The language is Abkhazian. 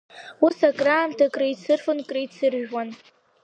Ус акыраамҭа креицырфон, креицыржәуан.